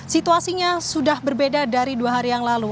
situasinya sudah berbeda dari dua hari yang lalu